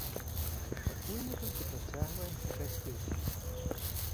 Пакуль мы толькі працягваем шукаць песню.